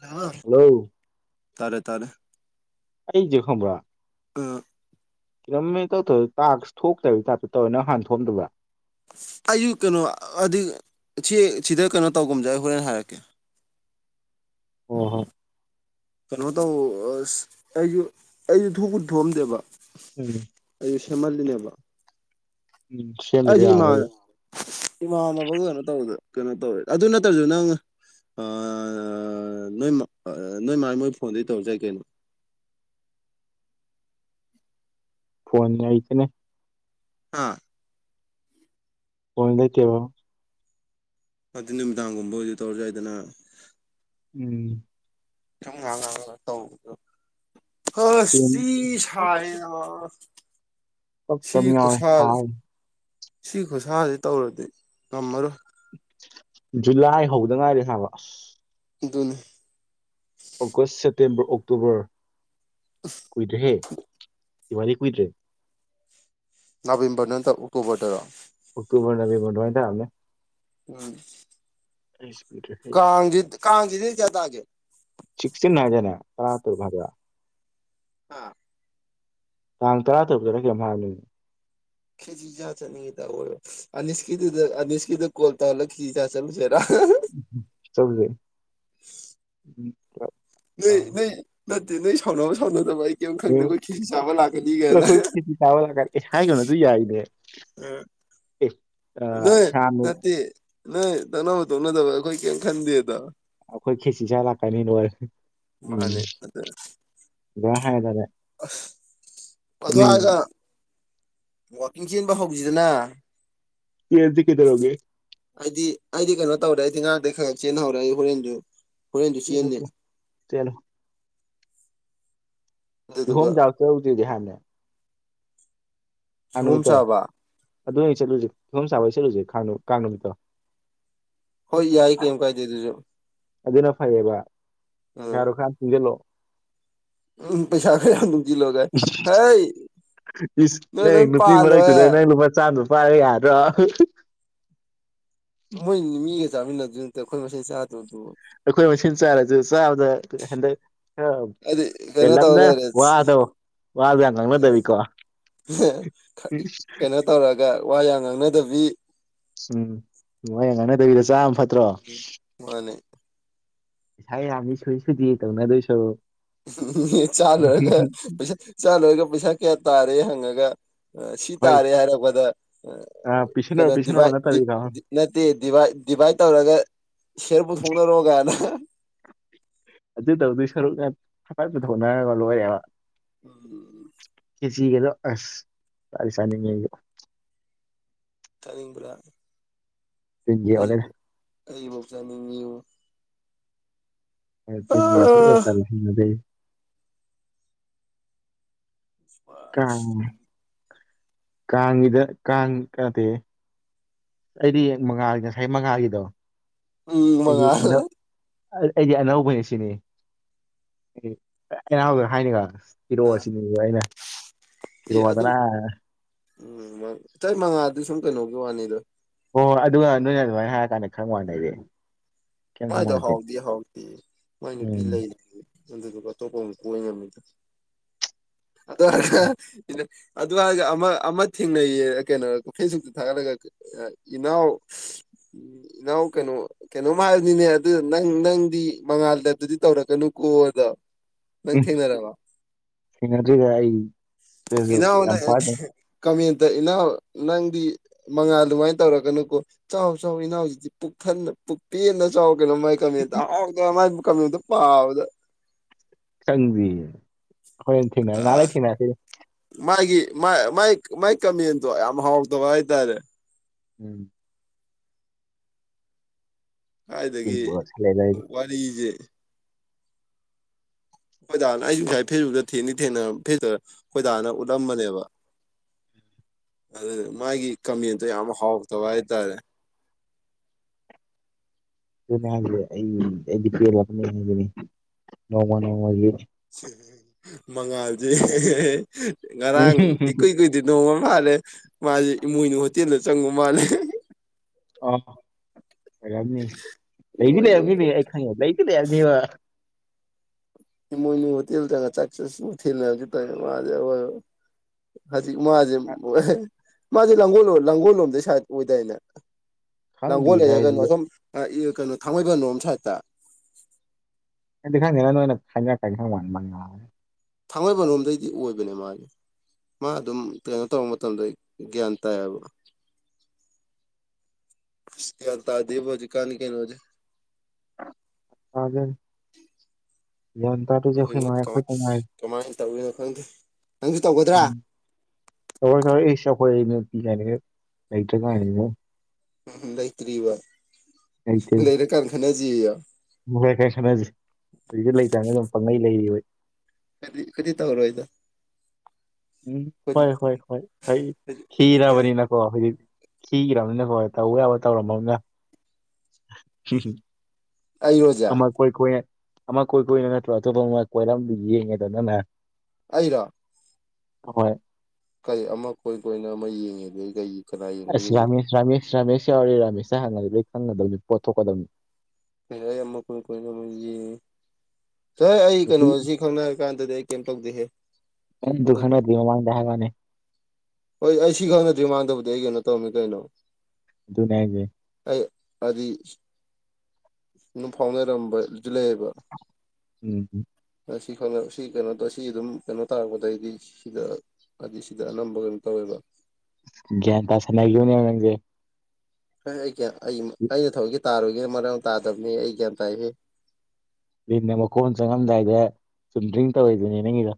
ꯀ ꯍꯜꯂꯣ ꯇꯥꯔꯦ ꯇꯥꯔꯦ ꯑꯩꯁ ꯈꯣꯡꯕ꯭ꯔꯥ ꯎꯝ ꯀꯔꯝ ꯇꯧꯣꯏ ꯇꯥꯛꯁ ꯊꯣꯛꯇ꯭ꯔꯕ ꯇꯥꯏꯞꯇ ꯇꯧꯋꯦ ꯅꯪ ꯍꯥꯟ ꯊꯣꯛꯝꯗꯕ꯭ꯔꯥ ꯑꯩꯁꯨ ꯀꯩꯅꯣ ꯍꯥꯏ ꯁꯤ ꯁꯤꯗ ꯀꯩꯅꯣ ꯇꯧꯒꯨꯝꯖꯦ ꯍꯣꯔꯦꯟ ꯍꯥꯏꯔꯛꯀꯦ ꯑꯣ ꯍꯣ ꯀꯩꯅꯣ ꯇꯧ ꯑꯁ ꯑꯩꯁꯨ ꯑꯩꯁꯨ ꯊꯣꯛꯄꯨ ꯊꯣꯛꯑꯝꯗꯦꯕ ꯎꯝ ꯑꯩ ꯁꯦꯃꯜꯅꯤꯂ ꯎꯝ ꯁꯦꯝꯗꯗꯤ ꯑꯩꯁ ꯏꯃꯥꯟ ꯌꯥꯔꯔꯣꯏ ꯏꯃꯥꯟꯅꯕ ꯀꯩꯅꯣ ꯇꯧꯕꯗ ꯀꯩꯅꯣ ꯇꯧꯋꯦ ꯑꯗꯨ ꯅꯠꯇ꯭ꯔꯁꯨ ꯅꯪ ꯅꯣꯏ ꯅꯣꯏ ꯃꯥꯜ ꯃꯣꯏ ꯐꯣꯟꯗꯩ ꯇꯧꯔ ꯆꯠ ꯀꯩꯅꯣ ꯐꯣꯟ ꯑꯩꯏꯁꯤꯅꯦ ꯑꯥ ꯀꯣꯏ ꯂꯩꯇꯦꯕꯣ ꯑꯗꯨ ꯅꯨꯃꯤꯗꯥꯡꯒꯨꯝꯕꯕꯨꯗꯤ ꯇꯧꯔꯁꯨ ꯌꯥꯏꯗꯅ ꯎꯝ ꯇꯁ ꯁꯦꯝ ꯁꯤꯤ ꯄꯛꯇꯝ ꯌꯥꯎꯋꯦ ꯍꯥꯏ ꯈꯨꯨꯁꯍꯜ ꯁꯤ ꯈꯨꯠꯁꯁꯤ ꯇꯧꯔꯗꯤ ꯉꯝꯃꯔꯣꯏ ꯖꯨꯂꯥꯏ ꯍꯧꯗ ꯉꯥꯏꯔꯦ ꯍꯥꯏꯕ ꯑꯗꯨꯅ ꯑꯣꯒꯁ ꯁꯦꯞꯇꯦꯝꯕꯔ ꯑꯣꯛꯇꯣꯕꯔ ꯀꯨꯏꯗ꯭ꯔꯦꯍꯦ ꯏꯕꯥꯅꯤ ꯀꯨꯏꯗ꯭ꯔꯦ ꯅꯣꯕꯦꯝꯕꯔ ꯅꯠꯇ꯭ꯔ ꯑꯣꯛꯇꯣꯕꯔꯗꯔꯣ ꯑꯣꯛꯇꯣꯕꯔ ꯅꯕꯦꯃꯔ ꯋꯥ ꯊꯃꯦ ꯎꯝ ꯑꯩꯁꯦ ꯀꯥꯡꯒꯤ ꯀꯥꯒꯤꯗꯤ ꯆ ꯇꯒꯦ ꯆꯤꯛꯁꯤꯅ ꯍꯥꯏꯖꯅꯦ ꯇꯔꯥ ꯇꯔꯚꯗ꯭ꯔ ꯑ ꯇꯥꯡ ꯇꯔꯥ ꯇꯔꯨꯛꯇꯔ ꯀꯩ ꯍꯥꯏꯃꯤ ꯈꯦꯖꯤ [unintelligible] [unintelligible] ꯑꯅꯤꯁꯀꯤꯗꯨꯗ ꯑꯅꯤꯁꯀꯤꯗ ꯀꯣꯜ ꯇꯧꯍꯂ ꯈꯤꯆꯤ ꯆꯥ ꯆꯠꯂꯨꯁꯔ ꯎ ꯆꯧꯖꯦ [unintelligible] ꯎꯝ ꯅꯣꯏ ꯅꯣꯏ ꯅꯠꯇꯦ ꯅꯣꯏ ꯁꯥꯎꯅꯕ ꯁꯥꯎꯅꯗꯕ ꯑꯩ ꯀꯩꯏꯝ ꯈꯪꯗꯦ ꯎꯝ ꯑꯩꯈꯣꯏ ꯈꯤꯁꯤ ꯆꯥꯕ ꯂꯥꯛꯀꯅꯤꯒꯅ [unintelligible] ꯍꯥꯏꯒꯅꯣ ꯑꯗꯨ ꯌꯥꯏꯅꯦ [unintelligible] ꯑꯦ ꯑ ꯅꯣꯏ ꯁꯥꯅ ꯅꯠꯇꯦ ꯅꯣꯏ ꯇꯥꯛꯅꯥꯕ ꯇꯣꯛꯅꯗꯕ ꯑꯩꯈꯣꯏ ꯀꯦꯝ ꯈꯥꯟꯗꯦꯗ ꯑꯩꯈꯣꯏ ꯈꯦꯁꯤ ꯆꯥ ꯂꯥꯛꯀꯅꯤ ꯅꯣꯏ ꯎꯝ ꯃꯥꯅꯦ ꯑꯗ [unintelligible] ꯑꯗꯣ ꯎꯝ ꯍꯥꯏꯒ ꯋꯥꯛꯀꯤꯡ ꯆꯦꯟꯕ ꯍꯧꯁꯤꯗꯅ [unintelligible] ꯀꯩꯗꯧꯔꯒꯦ ꯑꯩꯗꯤ ꯑꯩꯗꯤ ꯀꯩꯅꯣ ꯇꯧꯔꯦ ꯑꯩꯗꯤ ꯉꯔꯥꯡꯗꯩ ꯈꯔ ꯆꯦꯟꯍꯧꯔꯦ ꯑꯩ ꯍꯣꯔꯦꯟꯗꯨ [unintelligible] ꯆꯦꯜꯂꯨ ꯀꯤꯍꯣꯝ ꯑꯗꯨꯗꯨꯒ ꯆꯥꯕꯥ ꯆꯠꯂꯨꯁꯦꯗꯤ ꯍꯥꯏꯕꯅꯦ ꯀꯥꯡ ꯀꯤꯍꯣꯝ ꯅꯨꯃꯤꯠꯇꯣ ꯆꯥꯕ ꯑꯗꯨ ꯑꯣꯏ ꯆꯠꯂꯨꯁꯦ ꯀꯤꯍꯣꯝ ꯆꯥꯕꯥ ꯆꯠꯂꯨꯁꯦ [unintelligible] ꯀꯥꯡ ꯅꯨꯃꯤꯠꯇꯣ ꯍꯣꯏ ꯌꯥꯏ ꯀꯦꯝ ꯀꯥꯏꯗꯦꯗꯨꯁꯨ ꯑꯗꯨꯅ ꯐꯩꯌꯦꯕ ꯑꯥ ꯄꯩꯁꯥꯗꯣ ꯈꯔ ꯇꯨꯡꯁꯜꯂꯣ ꯎꯝ ꯄꯩꯁꯥ ꯈꯔꯥ ꯌꯥꯝ ꯗꯨꯝ ꯏꯁ ꯅꯣꯏ ꯏꯁ ꯂꯣꯏ ꯅꯨꯄꯤ ꯄꯥꯜꯂꯣꯍꯦ ꯃꯔꯛꯇꯨꯗ ꯅꯪ ꯂꯨꯄꯥ ꯆꯥꯃꯥꯗꯨ ꯄꯥꯏꯔ ꯌꯥꯔꯗ꯭ꯔꯣ ꯃꯣꯏꯅꯤ ꯃꯤꯒ ꯆꯥꯃꯤꯟꯅꯗꯁꯨ ꯅꯠꯇꯦ ꯑꯩꯈꯣꯏ ꯃꯁꯦꯟ ꯆꯥꯗꯕꯗꯨꯕꯨ ꯑꯩꯈꯣꯏ ꯃꯁꯦꯟ ꯆꯥꯔꯁꯨ ꯆꯥꯕꯗ ꯍꯟꯗꯛ ꯈꯔ ꯑꯗꯤ ꯀꯩꯅꯣ ꯇꯧ ꯄꯦꯜꯂꯞꯅ ꯂꯩꯔꯦ ꯋꯥꯗꯣ ꯋꯥꯗꯣ ꯌꯥꯝ ꯉꯥꯡꯅꯗꯕꯤꯀꯣ [unintelligible] ꯀꯩꯅꯣ ꯇꯧꯔꯒ ꯋꯥ ꯌꯥꯝ ꯉꯥꯡꯅꯗꯕꯤ ꯁꯨꯝ ꯋꯥ ꯌꯥꯝ ꯉꯥꯡꯅꯗꯕꯤꯗ ꯆꯥꯕꯅ ꯐꯠꯇ꯭ꯔꯣ ꯃꯥꯅꯦ ꯄꯩꯁꯥ ꯌꯥꯝꯃꯤ ꯁꯨꯏ ꯁꯨꯏꯗꯦ ꯇꯧꯅꯗꯨꯏ ꯁꯔꯨꯛ [unintelligible] ꯆꯥ ꯂꯣꯏꯔꯒ ꯄꯩꯁ ꯆꯥ ꯂꯣꯏꯔꯒ ꯄꯩꯁꯥ ꯀꯌꯥ ꯇꯥꯔꯦ ꯍꯪꯉꯒ ꯑꯥ ꯁꯤ ꯍꯣꯏ ꯇꯥꯔꯦ ꯍꯥꯏꯔꯛꯕꯗ ꯑ ꯄꯤꯁꯟꯅꯔꯣ ꯀꯩꯅꯣ ꯄꯤꯁꯟꯅꯔꯣ ꯗꯤꯚꯥꯏꯠ ꯗꯤ ꯅꯠꯇꯕꯤꯗꯣ ꯗꯤ ꯅꯠꯇꯦ ꯗꯤꯚꯥꯏꯠ ꯗꯤꯚꯥꯏꯠ ꯇꯧꯔꯒ ꯁꯤꯌꯥꯔ ꯄꯨꯊꯣꯛꯅꯔꯣ ꯀꯥꯏꯅ ꯑꯗꯨ ꯇꯧꯗꯣꯏ ꯁꯔꯨꯛꯅ ꯍꯥꯏ ꯄꯨꯊꯣꯛꯅꯔꯒ ꯂꯣꯏꯔꯦꯕ [unintelligible] ꯈꯦꯆꯤꯒꯗꯣ ꯑꯁ ꯆꯥꯗꯤ ꯆꯥꯅꯤꯡꯉꯦ ꯑꯩꯖꯨ ꯆꯥꯅꯤꯡꯕ꯭ꯔꯥ ꯇꯤꯟꯒꯤ ꯑꯣꯜꯂꯦꯗ ꯑꯩꯕꯨ ꯑꯩꯕꯧ ꯆꯥꯅꯤꯡꯉꯤꯌꯨ ꯑꯥ [unintelligible] ꯀꯥꯡ ꯀꯥꯡꯒꯤꯗ ꯀꯥꯡ ꯀꯇꯦ ꯑꯩꯗꯤ ꯃꯉꯥꯜꯒꯤ ꯉꯁꯥꯏ ꯃꯉꯥꯜꯒꯤꯗꯣ ꯎꯝ ꯑꯩꯗꯤ ꯃꯉꯥꯜ ꯍꯟꯗꯛ ꯑꯩ ꯑꯩꯗꯤ ꯑꯅꯧꯕꯅꯦ ꯁꯤꯅꯤ [unintelligible] ꯏꯔꯛꯑꯣ ꯁꯤꯅꯤꯗ ꯑꯩꯅ ꯑꯦ ꯑꯗꯨ ꯐꯤꯔꯣꯗꯅꯥꯅ ꯎꯝ ꯃꯥ ꯏꯇꯩꯃꯉꯥꯗꯨꯁꯨ ꯁꯨꯝ ꯀꯩꯅꯣꯒꯤ ꯋꯥꯅꯤꯗ ꯍꯣ ꯑꯗꯨꯉꯥꯟꯗꯨꯏꯅꯦ ꯑꯗꯨꯃꯥꯏꯅ ꯍꯥꯏꯔꯀꯥꯟꯗ ꯈꯪ ꯋꯥꯥꯟꯅꯤꯗꯥ ꯑꯩꯗꯤ ꯀꯩꯝ ꯃꯥꯏꯗꯣ ꯈꯪꯕꯣꯟꯇꯦ ꯍꯥꯎꯗꯤ ꯍꯥꯎꯇꯦ ꯃꯣꯏ ꯅꯨꯄꯤ ꯎꯝ ꯂꯩꯔꯤ ꯑꯗꯨꯗꯨꯒ ꯑꯇꯣꯞꯄ ꯑꯃꯨꯛ ꯀꯣꯏꯅꯔꯝꯃꯤꯗꯣ ꯑꯗꯨ [unintelligible] ꯑꯗꯨꯍꯥꯏꯖꯩ ꯑꯃ ꯑꯃ ꯊꯦꯡꯅꯩꯌꯦ ꯀꯩꯅꯣ ꯐꯦꯁꯕꯨꯛꯇ ꯊꯥꯒꯠꯂꯒ ꯑꯥ ꯏꯅꯥꯎ ꯏꯅꯥꯎ ꯀꯩꯅꯣ ꯀꯩꯅꯣꯝ ꯍꯥꯏ ꯅꯤꯅꯦ ꯑꯗꯨ ꯅꯪ ꯅꯪꯗꯤ ꯃꯉꯥꯜꯗꯗꯨꯗꯤ ꯇꯧꯔꯛꯀꯅꯨꯀꯣ ꯑꯗꯣ ꯅꯪ ꯎꯝ ꯊꯦꯡꯅꯔꯕ ꯊꯦꯡꯅꯗ꯭ꯔꯤꯗ ꯑꯩꯗꯁꯨ ꯏꯅꯥꯎꯅ ꯌꯥꯝ ꯐꯥꯗ ꯀꯃꯦꯟꯇ ꯏꯅꯥꯎ ꯅꯪꯗꯤ ꯃꯉꯥꯜ ꯑꯗꯨꯃꯥꯏꯅ ꯇꯧꯔꯛꯀꯅꯨꯀꯣ ꯆꯥꯎ ꯆꯥꯎ ꯏꯅꯥꯎꯖꯤꯗꯤ ꯄꯨꯛ ꯊꯟꯅ ꯄꯨꯛ ꯄꯨꯦꯟꯅ ꯆꯥꯎ ꯀꯩꯅꯣ ꯃꯥꯏ ꯀꯃꯦꯟꯇ ꯑꯍꯥꯎꯇ ꯃꯥꯏ ꯀꯃꯦꯟꯇꯨ ꯄꯥꯕꯗ ꯆꯪꯗ꯭ꯔꯤ ꯍꯣꯔꯦꯟ ꯊꯦꯡꯅꯔꯛ ꯉꯥꯏꯍꯥꯛ ꯂꯩꯔꯥ ꯊꯦꯡꯅꯔꯛꯈꯤꯅꯤ ꯃꯥꯒꯤ ꯃꯥꯏ ꯃꯥꯏ ꯃꯥꯏ ꯀꯃꯦꯟꯗꯣ ꯌꯥꯝ ꯍꯥꯎꯇꯕ ꯍꯥꯏꯇꯥꯔꯦ ꯎꯝ ꯀꯥꯏꯗꯒꯤ ꯇꯤꯟꯕꯨ ꯑꯣꯏꯁꯜꯂꯦꯗ ꯑꯩꯗꯤ ꯋꯥꯔꯤꯁꯦ ꯈꯣꯏꯗꯥꯅ ꯑꯩꯁꯨ [unintelligible] ꯐꯦꯁꯕꯨꯛꯇ ꯊꯦꯡꯗꯤ ꯊꯦꯡꯅꯔ ꯐꯦꯇ [unintelligible] ꯈꯣꯏ ꯗꯥꯅ ꯎꯠꯂꯝꯕꯅꯦ ꯑꯗꯨꯗ ꯃꯥꯒꯤ ꯀꯃꯦꯟꯇꯣ ꯌꯥꯝ ꯍꯥꯎꯇꯕ ꯍꯥꯏꯇꯥꯔꯦ ꯑꯗꯨꯅꯦ ꯍꯥꯏꯖꯦ ꯑꯩ ꯑꯩꯗꯤ ꯄꯦꯜꯂꯕꯅꯦ ꯑꯟꯖꯂꯤ ꯅꯣꯡꯃ ꯅꯣꯡꯃꯒꯤ ꯃꯉꯥꯜꯁꯦ ꯉꯔꯥꯡ ꯏꯀꯨꯏ ꯀꯨꯏ ꯗꯤ ꯅꯣꯡꯃ ꯑꯃꯥ ꯍꯥꯜꯂꯦ ꯃꯥꯁꯦ ꯏꯃꯣꯏꯅꯨ ꯍꯣꯇꯦꯜꯗ ꯆꯪꯉꯨ ꯃꯥꯜꯂꯦ ꯑ ꯑꯣꯏꯔꯝꯅꯤ ꯂꯩꯗꯤ ꯏꯃꯣꯏꯅꯨ ꯂꯩꯔꯝꯅꯤꯅꯦ ꯑꯩ ꯈꯪꯉꯦꯕ ꯂꯩꯗꯤ ꯂꯩꯔꯝꯅꯦꯕ ꯏꯃꯣꯏꯅꯨ ꯍꯣꯇꯦꯜ ꯆꯪꯉꯥ ꯆꯥꯛ [unintelligible] ꯍꯧꯖꯤꯛ ꯃꯥꯖꯦ [unintelligible] ꯃꯥꯁꯦ ꯂꯥꯡꯒꯣꯜ ꯂꯣꯝ ꯂꯥꯡꯒꯣꯜ ꯂꯣꯝꯗꯩ ꯁꯏꯠ ꯑꯣꯏꯗꯥꯏꯅꯦ ꯂꯥꯡꯒꯣꯜ ꯈꯪꯗꯦꯗ ꯂꯩꯔ ꯀꯩꯅꯣ ꯑꯩꯗꯤ ꯑꯁꯣꯝ ꯀꯩꯅꯣ ꯊꯥꯡꯃꯩꯕꯟ ꯔꯣꯝ ꯁꯥꯏꯗꯠꯇ ꯑꯦ ꯈꯥꯅꯣꯏꯅ ꯈꯥꯏꯅ ꯀꯥꯏ ꯃꯅ ꯊꯥꯡꯃꯩꯕꯟꯔꯣꯝꯗꯩꯗꯤ ꯑꯣꯏꯕꯅꯦ ꯃꯥꯗꯤ ꯃꯥ ꯑꯗꯨꯝ ꯀꯩꯅꯣ ꯇꯧꯕ ꯃꯇꯝꯗ ꯒ꯭ꯌꯥꯟ ꯇꯥꯏꯑꯕ ꯑꯁ ꯒ꯭ꯌꯥꯟ ꯇꯥꯗꯦ ꯍꯧꯖꯤ ꯀꯥꯟꯒꯤ ꯀꯩꯅꯣꯖꯤ ꯇꯥꯗꯦ ꯒ꯭ꯌꯥꯟ ꯇꯥꯔꯤꯁꯤ ꯑꯈꯣꯏ ꯃꯉꯥꯏꯔꯦ ꯑꯈꯣꯢ ꯈꯛ ꯉꯥꯢꯔꯦ ꯀꯃꯥꯏꯟ ꯇꯧꯋꯤꯅꯣ ꯈꯪꯗꯦ ꯅꯪꯁꯨ ꯇꯧꯒꯗ꯭ꯔꯥ [unintelligible] ꯑꯦꯁ [unintelligible] ꯎꯝ ꯎꯝ ꯂꯩꯇ꯭ꯔꯤꯕ ꯂꯩꯔ ꯀꯥꯟ ꯈꯅꯁꯦꯌꯣ ꯎ ꯐꯣꯏ ꯐꯔꯦ ꯈꯟꯅꯁꯤ ꯍꯧꯖꯤꯛꯇ ꯂꯩꯇꯥꯟꯅꯤ ꯑꯗꯨꯝ ꯄꯪꯉꯩ ꯂꯩ ꯍꯣꯏ ꯈꯣꯢꯗꯤ ꯈꯣꯢꯗꯤ ꯇꯧꯔꯣꯏꯗ ꯎꯝ ꯑꯩꯈꯣꯏꯗꯤ ꯍꯣꯏ ꯍꯣꯏ ꯑꯩꯈꯣꯏꯗꯤ ꯍꯣꯏ ꯑꯩ ꯑꯩꯈꯣꯏꯗꯤ ꯒ꯭ꯌꯥꯟ ꯈꯤꯔꯥꯕꯅꯤ ꯅꯪ ꯀꯣ ꯍꯧꯖꯤꯛ ꯈꯤꯈ꯭ꯔꯕꯅꯤꯅꯀꯣ ꯇꯧ ꯌꯥꯕ ꯇꯧꯔꯝꯃꯝꯅ [unintelligible] ꯑꯩꯔꯣ ꯑꯣꯖꯥ ꯑꯃ ꯀꯣꯏ ꯀꯣꯏꯅ ꯑꯃ ꯀꯣꯏ ꯀꯣꯏꯏꯅ ꯅꯠꯇ꯭ꯔꯣ ꯑꯇꯣꯞꯄ ꯑꯃ ꯀꯣꯏꯔꯝ ꯌꯦꯡꯉꯦꯗꯅꯅ ꯑꯩꯔꯣ ꯍꯣꯏ ꯀꯩ ꯑꯃ ꯀꯣꯏ ꯀꯣꯏꯅ ꯑꯃ ꯌꯦꯡꯉꯤꯗꯗꯒꯤ ꯀꯩ ꯀꯅꯥ ꯑꯁ ꯌꯦꯡꯗꯣꯔꯤꯒꯦ ꯔꯥꯃꯦꯁ ꯔꯥꯃꯦꯁ ꯔꯥꯃꯦꯁ ꯌꯥꯎꯔꯤ ꯔꯥꯃꯦꯁꯅ ꯍꯪꯉꯒꯛ ꯂꯣꯏ ꯈꯪꯒꯗꯕꯅꯤ ꯄꯣꯠ ꯊꯣꯛꯀꯗꯕꯅꯤ ꯍꯦ ꯌꯥꯝꯃ ꯀꯣꯏ ꯀꯣꯏꯅꯦ ꯍꯣꯏ ꯑꯩ ꯅꯨꯄꯤ ꯀꯩꯅꯣꯁꯤ ꯈꯪꯅꯔꯤ ꯀꯥꯟꯗꯗꯤ ꯑꯩ ꯀꯩꯝ ꯇꯧꯗꯦꯍꯦ ꯑꯩꯅ ꯑꯗꯨ ꯁꯨꯝꯗꯗꯤ ꯈꯪꯅꯗ꯭ꯔꯤ [unintelligible] ꯍꯣꯏ ꯑꯩ ꯁꯤ ꯈꯪꯅꯗ꯭ꯔꯤ ꯃꯥꯡꯗꯧꯕꯗꯤ ꯑꯩ ꯀꯩꯅꯣ ꯇꯧꯔꯝꯃꯤ ꯀꯩꯅꯣ ꯑꯗꯨꯅꯦ ꯍꯥꯏꯖꯦ ꯑꯩ ꯑꯗꯤ ꯑꯗꯨꯝ ꯐꯥꯎꯅꯔꯝꯕ ꯑꯗꯨ ꯂꯩꯌꯦꯕ ꯎꯝ ꯁꯤ ꯈꯅ ꯁꯤ ꯀꯩꯅꯣꯗꯣ ꯑꯁꯤ ꯑꯗꯨꯝ ꯀꯩꯅꯣ ꯇꯥꯔꯛꯄꯗꯩꯗꯤ ꯁꯤꯗ ꯍꯥꯏꯗꯤ ꯁꯤꯗ ꯑꯅꯝꯕ ꯀꯩꯅꯣ ꯇꯧꯋꯦꯕ ꯒ꯭ꯌꯥꯟ ꯇꯥꯁꯤꯅꯒꯤꯕꯅꯦꯕ ꯅꯪꯁꯦ ꯍ ꯑꯩ ꯑꯩꯅ ꯊꯧꯑꯣꯢꯀꯤ ꯇꯥꯔꯣꯢꯒꯦꯅ ꯃꯔꯛ ꯑꯃ ꯇꯥꯗꯕꯅꯤ ꯑꯩ ꯒ꯭ꯌꯥꯟ ꯇꯥꯏꯍꯦ ꯂꯤꯟꯅ ꯃꯀꯣꯟ ꯆꯪꯂꯝꯗꯥꯏꯗ ꯆꯨꯝꯗ꯭ꯔꯤꯡ ꯇꯧꯋꯦꯗꯨꯅꯦ ꯅꯪꯒꯤꯗꯣ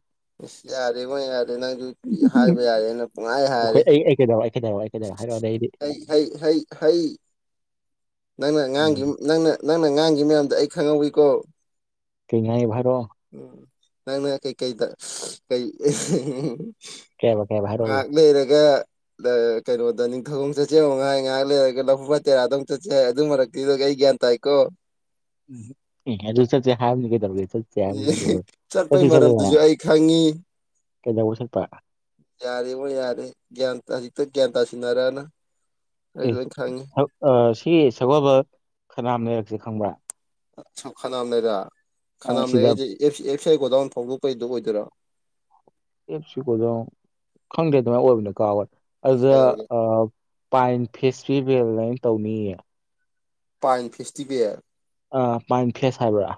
ꯏꯁ ꯌꯥꯔꯦ ꯃꯣꯏ ꯌꯥꯔꯦ ꯅꯪ ꯑꯗꯨ ꯍꯥꯏꯕ ꯌꯥꯔꯦ ꯅ ꯄꯨꯡꯍꯥꯏ ꯑꯩꯈꯣꯏ ꯍꯥꯏꯔꯦ ꯑꯩ ꯑꯩ ꯀꯩꯗꯧꯕ ꯑꯩ ꯀꯩꯗꯧꯕ ꯑꯩ ꯀꯩꯗꯧꯕ ꯍꯥꯏꯔꯛꯑꯣꯅꯦ ꯑꯩꯗꯤ ꯍꯩ ꯍꯩ ꯍꯩ ꯍꯩ ꯅꯪꯅ ꯎꯝ ꯉꯥꯡꯒꯤ ꯅꯪꯅ ꯅꯪꯅ ꯉꯥꯡꯒꯤ ꯃꯌꯥꯝꯗ ꯑꯩ ꯈꯪꯍꯧꯋꯤꯀꯣ ꯀꯩꯉꯥꯏꯚꯥꯏꯔꯣ ꯎꯝ ꯅꯪ ꯀꯩ ꯀꯩꯗ ꯀꯩ ꯀꯩ ꯍꯥꯏꯕ ꯀꯩ ꯍꯥꯏꯕ ꯍꯥꯏꯔꯛꯑꯣ ꯉꯥꯏꯍꯥꯛ ꯂꯩꯔꯒ ꯀꯩꯅꯣꯗ ꯅꯤꯡꯊꯧ ꯆꯠꯆꯦ ꯉꯥꯏ ꯉꯥꯏꯍꯥꯛ ꯂꯩꯔꯒ ꯂꯐꯨ ꯐꯇꯦꯔꯥꯗꯧ ꯆꯠꯆꯩ ꯑꯗꯨ ꯃꯔꯛꯇꯤꯗꯨꯒ ꯑꯩ ꯒ꯭ꯌꯥꯟ ꯇꯥꯏꯀꯣ ꯎꯝ ꯆꯦ ꯍꯥ ꯇꯔ ꯆꯠꯇ ꯆꯠꯇꯅꯦ ꯀꯩꯗꯧꯕ ꯆꯠꯄꯩ ꯃꯔꯝꯗꯨꯁꯨ ꯑꯩ ꯈꯪꯉꯤ ꯆꯠꯄ ꯌꯥꯔꯦꯕꯨ ꯌꯥꯔꯦ ꯭ꯟꯇꯁꯤꯛꯇ ꯭ꯟꯇꯥꯁꯤꯅꯔꯅ ꯑꯦ ꯁꯤ ꯁꯒꯣꯜꯕꯜ ꯈꯅꯥꯝ ꯂꯩꯔꯛꯁꯦ ꯈꯪꯕ꯭ꯔꯥ ꯁꯨꯝ ꯈꯅꯥꯝ ꯂꯩꯔ ꯑ, ꯈꯅꯥꯝ ꯁꯤꯗ ꯂꯩꯔꯁꯦ ꯑꯦꯐ ꯁꯤ ꯑꯥꯏ ꯒꯣꯗꯥꯎꯟ ꯐꯣꯡꯗꯣꯛꯄꯩꯗꯨ ꯑꯣꯏꯗꯣꯏꯔꯣ ꯑꯦꯞꯁꯤꯀꯣꯗꯣ ꯈꯪꯗꯦ ꯑꯗꯨꯃꯥꯏꯅ ꯑꯣꯏꯕꯅꯤ ꯀꯥ ꯍꯣꯏ ꯎꯝ ꯑꯗꯨꯗ ꯀꯩꯗꯧꯔꯒꯦ ꯄꯥꯏꯟ ꯐꯦꯁꯇꯤꯚꯦꯜ ꯅ ꯇꯧꯅꯤꯡꯌꯦ ꯄꯥꯏꯟ ꯐꯦꯁꯇꯤꯚꯦꯜ ꯑ ꯄꯥꯏꯟ ꯐꯦꯁ ꯍꯥꯏꯕ꯭ꯔꯥ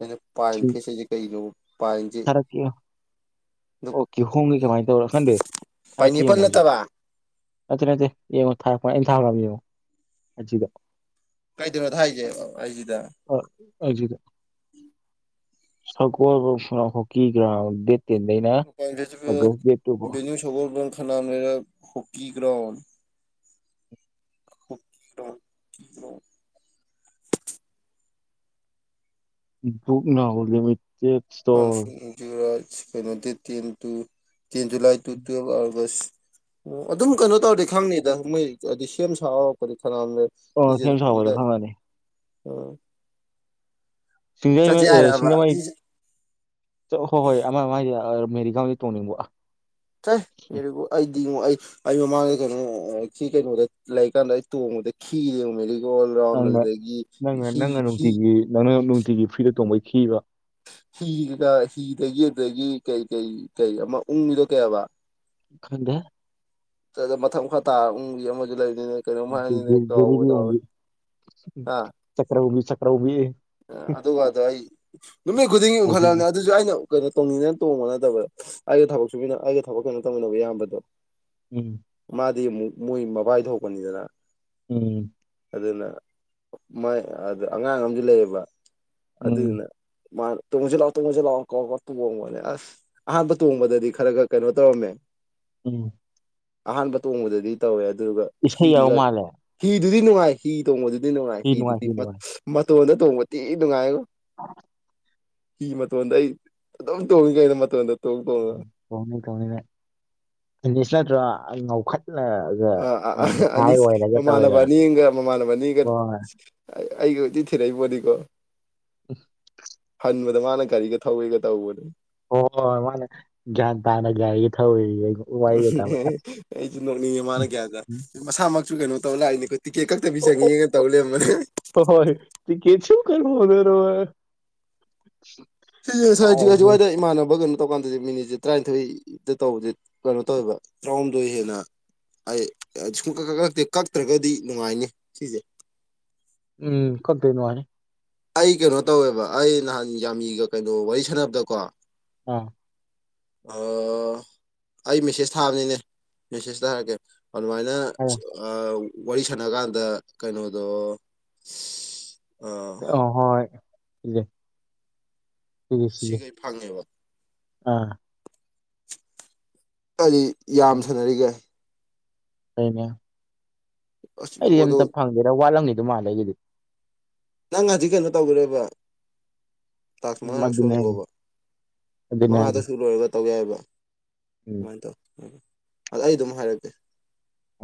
ꯑꯩꯅ ꯄꯥꯏꯟ ꯁꯤ- ꯐꯦꯁꯁꯦ ꯀꯩꯅꯣ ꯄꯥꯏꯟꯁꯦ ꯊꯥꯔꯛꯀꯦ ꯑꯣ ꯀꯤꯍꯣꯡꯒꯤ ꯀꯃꯥꯏꯅ ꯇꯧꯔ ꯈꯟꯗꯦ ꯊꯔꯛꯀꯦ ꯄꯥꯏꯅꯦꯄꯜ ꯌꯦꯡꯉꯣ ꯑꯩꯁꯨ ꯅꯠꯇꯕ ꯅꯠꯇꯦ ꯅꯠꯇꯦ ꯌꯦꯡꯉꯣ ꯊꯥꯔꯛꯄ ꯑꯩꯅ ꯊꯥꯒꯔꯃꯦ ꯌꯦꯡꯉꯣ ꯑꯖꯤꯗ ꯀꯩꯗꯅꯣ ꯊꯥꯏꯖꯦ ꯑꯥꯏꯖꯤꯗ ꯍꯣꯏ ꯑꯥꯏꯖꯤꯗ ꯁꯒꯣꯜꯕꯣ ꯐꯨꯅꯈꯣꯛꯒꯤ ꯒ꯭ꯔꯥꯎꯟ ꯗꯦꯠ ꯇꯦꯟꯗꯩꯅ ꯑꯥꯒꯁ ꯗꯦꯠ ꯇꯨꯐꯥꯎ ꯁꯒꯣꯜꯕꯜ ꯈꯥꯅꯝ hockey ground hockey ground hockey ground book ꯅ ꯍꯨꯂꯤꯃꯤꯇꯦꯠ ꯀꯩꯅꯣ ten two ten July [unintelligible] two ꯇꯨꯌꯦꯞ ꯑꯥꯒꯁ ꯑꯣ ꯑꯗꯨꯝ ꯀꯩꯅꯣ ꯇꯧꯔꯗꯤ ꯈꯪꯅꯤꯗ ꯃꯣꯏ ꯑꯗꯤ ꯁꯦꯝ ꯁꯥ ꯍꯧꯔꯛꯄꯗꯤ ꯀꯅꯥꯅ ꯑꯣ ꯊꯤꯖꯤꯟ ꯁꯦꯝ ꯁꯥꯕꯗꯣ ꯏꯗ ꯈꯪꯉꯅꯤ ꯑ ꯁꯤꯡꯖꯉꯩ ꯑ ꯍꯥꯏꯔꯕ ꯁꯤꯡꯖꯃꯩ ꯁꯤꯁꯦ ꯍꯣꯏ ꯍꯣꯏ ꯑꯃ ꯃꯥꯏꯁꯦ ꯑ ꯃꯦꯔꯤꯒꯥꯎꯗꯤ ꯇꯣꯡꯅꯤꯡꯕ ꯆꯩ ꯃꯦꯔꯤꯒꯣꯠ ꯑꯩꯗꯤ ꯉꯣ ꯑꯩ ꯑꯩ ꯃꯃꯥꯡꯗ ꯀꯩꯅꯣ ꯁꯤ ꯀꯩꯅꯣꯗ ꯂꯩꯔꯤꯀꯥꯟꯗ ꯑꯩ ꯇꯣꯡꯕꯗ ꯈꯤꯔꯦꯉꯣ ꯃꯦꯔꯤꯒꯣꯜ ꯔꯥꯎꯟ ꯅꯪꯅ ꯑꯗꯨꯗꯒꯤ ꯅꯪꯅ ꯍꯤ ꯅꯪꯅ ꯍꯤ ꯅꯨꯡꯇꯤꯒꯤ ꯅꯪꯅ ꯅꯨꯡꯇꯤꯒꯤ ꯐꯤꯔꯗ ꯇꯣꯡꯕꯩ ꯈꯤꯕ ꯍꯤꯒꯤꯗ ꯍꯤꯗꯒꯤ ꯑꯗꯒꯤ ꯀꯩ ꯀꯩ ꯀꯩ ꯑꯃ ꯎꯪꯕꯤꯗꯣ ꯀꯩꯑꯕ ꯈ ꯪꯗꯦ ꯃꯊꯛ ꯃꯈꯥ ꯇꯥꯔ ꯎꯪꯕꯤ ꯑꯃꯁꯨ ꯂꯩꯔꯤꯅꯦ ꯍꯥ ꯆꯀ꯭ꯔꯑꯨꯡꯕꯤ ꯆꯀ꯭ꯔꯑꯨꯡꯕꯤ [unintelligible] ꯑꯗꯨꯒꯗꯣ ꯑꯩ ꯅꯨꯃꯤꯠ ꯈꯨꯗꯤꯡꯒꯤ ꯍꯥꯏꯖꯤꯟꯕ ꯎꯈꯠꯂꯛꯑꯃꯦ ꯑꯗꯨ ꯑꯩꯅ ꯀꯩꯅꯣ ꯇꯣꯡꯅꯤꯡꯗꯅ ꯇꯣꯡꯕ ꯅꯠꯇꯕ ꯑꯩꯒꯤ ꯊꯕꯛ ꯁꯨꯃꯤꯟ ꯑꯩꯒ ꯊꯕꯛ ꯀꯩꯅꯣ ꯇꯧꯃꯤꯟꯅꯕ ꯏꯌꯥꯟꯕꯗꯣ ꯎꯝ ꯃꯥꯗꯤ ꯑꯃꯨꯛ ꯃꯣꯏ ꯃꯕꯥꯏ ꯊꯣꯛꯄꯅꯤꯗꯅ ꯎꯝ ꯑꯗꯨꯅ ꯃꯥꯏ ꯑꯗꯥ ꯑꯉꯥꯡ ꯑꯃꯁꯨ ꯂꯩꯌꯦꯕ ꯑꯗꯨꯅ ꯎꯝ ꯃꯥꯅ ꯇꯨꯡꯉꯁꯤ ꯂꯥꯛꯑꯣ ꯇꯨꯡꯉꯁꯤ ꯂꯥꯎꯑꯣ ꯀꯧꯔꯛꯑ ꯇꯣꯡꯕꯅꯦ ꯑꯁ ꯑꯍꯥꯟꯕ ꯇꯣꯡꯕꯗꯗꯤ ꯈꯔ ꯈꯔ ꯀꯩꯅꯣ ꯇꯧꯔꯝꯃꯦ ꯎꯝ ꯑꯍꯥꯟꯕ ꯇꯣꯡꯕꯗꯗꯤ ꯇꯧꯋꯦ ꯑꯗꯨꯒ ꯏꯁꯩ ꯌꯥꯎ ꯍꯤꯒ ꯃꯥꯜꯂꯦ ꯍꯤꯗꯨꯗꯤ ꯅꯨꯡꯉꯥꯏ ꯍꯤ ꯇꯣꯡꯕꯗꯨꯗꯤ ꯅꯨꯡꯉꯥꯏ ꯁꯤ ꯍꯤꯗꯨꯗꯤ ꯁꯤ ꯃ ꯅꯨꯡꯉꯥꯏ ꯃꯇꯣꯟꯗ ꯇꯣꯡꯕ ꯊꯤ ꯅꯨꯡꯉꯥꯏꯕꯣ [unintelligible] ꯍꯤ ꯃꯇꯣꯟꯗ ꯑꯩ ꯑꯗꯨꯝ ꯇꯣꯡꯉꯤ ꯀꯩꯅꯣ ꯃꯇꯣꯟꯗ ꯇꯣꯡ ꯇꯣꯡꯉ ꯇꯣꯡꯅꯤ ꯇꯣꯡꯅꯤ ꯅꯪ ꯍꯤꯂꯤꯁꯔꯗꯔ ꯉꯧꯈꯠꯂ ꯑ ꯑ ꯑꯅꯤꯁ ꯃꯃꯥꯟꯅꯕ ꯑꯅꯤꯑꯝꯒ ꯃꯃꯥꯟꯅꯕ ꯑꯅꯤꯒ ꯍꯣꯏ ꯑꯩ ꯑꯩꯒ ꯀꯣꯏꯊꯤ ꯊꯤꯔꯛꯏꯄꯣꯅꯤꯀꯣ [inaudible] ꯍꯟꯕꯗ ꯃꯥꯅ ꯒꯥꯔꯤꯒ ꯊꯧꯕꯤꯒ ꯇꯧꯕꯅꯦ ꯍꯣꯏ ꯍꯣꯏ ꯃꯥꯅ ꯒ꯭ꯌꯥꯟ ꯇꯥꯅ ꯒꯔꯤ ꯊꯧꯋꯦꯌꯦ ꯑꯩꯕꯨ ꯎꯝ ꯑꯩꯁꯨ ꯅꯣꯛꯅꯤꯡꯉꯦ ꯃꯥꯅ ꯒꯌ꯭ꯥꯟ ꯇꯥ ꯃꯁꯥꯃꯛꯁꯨ ꯀꯩꯅꯣ ꯇꯧ ꯂꯥꯛꯏꯅꯦ ꯇꯤꯀꯦꯠ ꯈꯛꯇꯕꯤ ꯆꯪꯉꯦꯒ ꯇꯧ ꯂꯩꯔꯝꯕꯅꯦ ꯍꯣꯏ ꯍꯣꯏ ꯇꯤꯀꯦꯠꯁꯨ ꯀꯍꯣꯗꯔꯣꯏ ꯁꯤ ꯖꯒꯖꯋꯥꯏꯗ ꯏꯃꯥꯟꯅꯕ [unintelligible] ꯇꯣꯀꯥꯟꯗꯁꯦ ꯃꯤꯅꯤꯠꯁꯦ ꯇꯔꯥꯅꯤꯊꯣꯏꯗ ꯇꯧꯕꯁꯦ ꯀꯩꯅꯣ ꯇꯧꯋꯦꯕ ꯇꯔꯥꯍꯨꯝꯗꯣꯏ ꯍꯦꯟꯅ ꯑꯩ ꯁꯨꯡ ꯀꯛ ꯀ ꯀꯛꯇꯦ ꯀꯛꯇ꯭ꯔꯒꯗꯤ ꯅꯨꯡꯉꯥꯏꯅꯤ ꯁꯤꯁꯦ ꯎꯝ ꯀꯛꯇꯗꯤ ꯅꯨꯉꯥꯏꯅꯤ ꯑꯩ ꯀꯩꯅꯣ ꯇꯧꯋꯦꯕ ꯑꯩ ꯅꯍꯥꯟ ꯌꯥꯝꯃꯤꯒ ꯀꯩꯅꯣ ꯋꯥꯔꯤ ꯁꯥꯟꯅꯕꯗꯀꯣ ꯑ ꯑꯩ ꯃꯦꯁꯦꯖ ꯊꯥꯕꯅꯤꯅꯦ ꯃꯦꯁꯦꯖ ꯊꯥꯔꯛꯀꯦ ꯑꯗꯨꯃꯥꯏꯅ ꯋꯥꯔꯤ ꯁꯥꯟꯅ ꯀꯥꯟꯗ ꯀꯩꯅꯣꯗꯣ ꯑ ꯑ ꯍꯣꯏꯁꯤ ꯁꯤꯈꯩ ꯐꯪꯉꯦꯕ ꯑꯥ ꯍꯥꯏꯗꯤ ꯌꯥꯝ ꯁꯥꯟꯅꯔꯤꯒꯦ ꯀꯩꯅꯣ ꯑꯁ ꯑꯩꯗꯤ ꯑꯗꯨ ꯑꯝꯇ ꯐꯪꯒꯦꯔ ꯋꯥꯠꯂꯝꯅꯤꯗ ꯃꯥꯜꯩꯒꯤꯗꯤ ꯅꯪ ꯉꯁꯤ ꯀꯩꯅꯣ ꯇꯧꯗꯔꯦꯕ ꯇꯥꯁ ꯎꯝ ꯃꯥꯉ ꯑꯗꯨꯅꯦ ꯍꯥꯏꯁꯦ ꯁꯒꯣꯕ ꯑꯗꯨꯅꯦ ꯃꯪ ꯑ ꯍꯥꯏꯁꯦ ꯁꯨꯔꯨ ꯑꯣꯏꯒ ꯇꯧ ꯌꯥꯦꯏꯕ ꯎꯝ ꯑꯗꯨꯃꯥꯏꯅ ꯇꯧ ꯎ ꯑꯗ ꯑꯩ ꯑꯗꯨꯝ ꯍꯥꯏꯔꯛꯀꯦ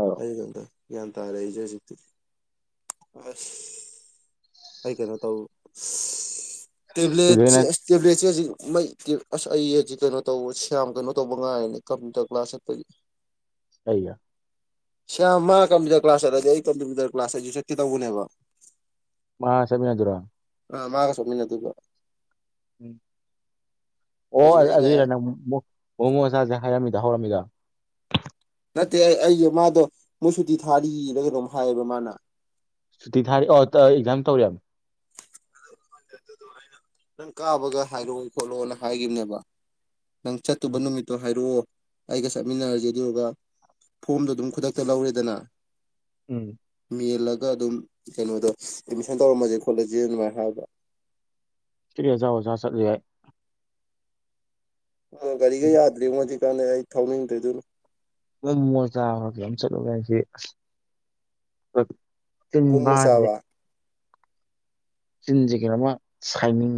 ꯑꯧ ꯍꯥꯏꯗ ꯌꯥꯝ ꯇꯥꯔꯦ ꯑꯩꯖꯦꯁꯤ ꯑꯁ ꯑꯩ ꯀꯩꯅꯣ ꯇꯕꯨ ꯁꯤꯗꯩꯅ ꯇꯦꯕ꯭ꯂꯠꯁ ꯇꯦꯕ꯭ꯂꯦꯠꯁꯦ ꯍꯧꯖꯤꯛ ꯑꯁ ꯑꯩ ꯍꯧꯖꯤꯛ ꯀꯩꯅꯣ ꯇꯧ ꯁꯌꯥꯝ ꯀꯩꯅꯣ ꯇꯧꯕ ꯉꯥꯏꯅꯦ ꯀꯝꯄ꯭ꯌꯨꯇꯔ ꯀ꯭ꯂꯥꯁ ꯆꯠꯄꯗꯤ [inaudible] ꯑꯩ ꯁ ꯃꯥ ꯀꯝꯄ꯭ꯌꯨꯇꯔ ꯀ꯭ꯂꯥꯁ ꯆꯠꯂꯗꯤꯦ ꯑꯩ ꯀꯝꯄ꯭ꯌꯨꯇꯔ ꯀ꯭ꯂꯥꯁ ꯍꯥꯏꯁꯨ ꯆꯠꯇꯦ ꯇꯧꯕꯅꯦꯕ ꯃꯥ ꯁꯃꯤꯅꯗꯨꯔ ꯑ ꯃꯥꯒ ꯁꯣꯝꯅ ꯑꯗꯨ ꯎꯝ ꯑꯣ ꯍꯧꯖꯤꯛ ꯑꯩ ꯉꯥꯏ ꯑꯗꯨꯏꯔ ꯅꯪ ꯃꯣꯃꯣ ꯃꯆꯥꯁꯦ ꯍꯥꯏꯔꯝꯃꯤꯗ ꯍꯧꯔꯝꯃꯤꯗ ꯅꯠꯇꯦ ꯑꯩ ꯑꯩꯒꯤ ꯃꯥꯗꯣ ꯃꯣꯏ ꯁꯨꯇꯤ ꯊꯥꯔꯤꯔꯒ ꯑꯗꯨꯣꯝ ꯍꯥꯏꯌꯦꯕ ꯃꯥꯅ ꯁꯨꯇꯤ ꯊꯥꯔꯤ ꯑꯣ ꯑꯦꯛꯖꯥꯝ ꯇꯧꯔꯤꯕꯕꯅꯦ ꯅꯪ ꯀꯥꯕꯒ ꯍꯥꯏꯔꯛꯑꯣ ꯈꯣꯠꯂꯣꯅ ꯍꯥꯏꯈꯤꯕꯅꯦꯕ ꯅꯪ ꯆꯠꯇꯨꯕ ꯅꯨꯃꯤꯠꯇꯣ ꯍꯥꯏꯔꯛꯑꯣ ꯑꯩꯒ ꯆꯠꯃꯤꯟꯅꯔꯁꯦ ꯑꯗꯨꯒ ꯐꯣꯝꯗꯣ ꯑꯗꯨꯝ ꯈꯨꯗꯛꯇ ꯂꯧꯔꯦꯗꯅ ꯎꯝ ꯃꯦꯜꯂꯒ ꯑꯗꯨꯝ ꯀꯩꯅꯣꯗꯣ ꯑꯦꯗꯃꯤꯁꯟ ꯇꯧꯔꯝꯃꯁꯦ ꯈꯣꯠꯂꯁꯦ ꯑꯗꯨꯃꯥꯏꯅ ꯊꯥꯕ ꯐꯤꯔꯤꯌꯥ ꯆꯥꯎꯎꯑꯣꯖ ꯆꯠ ꯌꯥꯦ ꯑꯣ ꯒꯥꯒ ꯌꯥꯗ꯭ꯔꯤ ꯃꯣ ꯍꯧꯖꯤꯛ ꯀꯥꯟꯅꯩ ꯑꯩ ꯊꯧꯅꯤꯡꯗ꯭ꯔꯦ ꯑꯗꯨꯅ ꯅꯣꯏ ꯃꯣ ꯆꯥꯔ ꯌꯥꯝ ꯆꯠꯂꯣꯒ ꯍꯥꯏꯁꯤ ꯑꯁ ꯃꯣꯃꯣ ꯇꯕꯥꯦ ꯆꯥꯕ ꯆꯤꯟꯁꯤꯒꯦꯅ ꯑꯃ ꯁꯥꯏꯅꯤꯡ